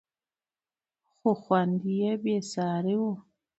خو خوند یې بېساری و.